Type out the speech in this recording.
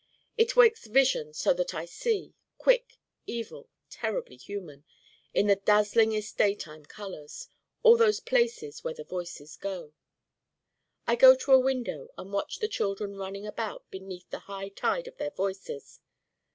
It wakes vision so that I see quick, evil, terribly human, in the dazzlingest daytime colors all those Places where the Voices go. I go to a window and watch the children running about beneath the high tide of their Voices.